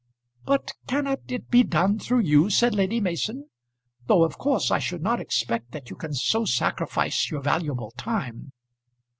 "But cannot it be done through you?" said Lady Mason. "Though of course I should not expect that you can so sacrifice your valuable time."